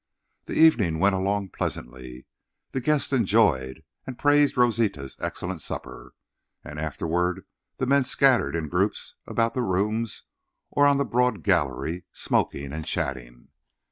The evening went along pleasantly. The guests enjoyed and praised Rosita's excellent supper, and afterward the men scattered in groups about the rooms or on the broad "gallery," smoking and chatting.